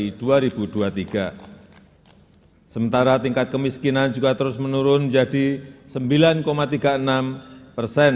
empat puluh lima persen pada februari dua ribu dua puluh tiga sementara tingkat kemiskinan juga terus menurun menjadi sembilan tiga puluh enam persen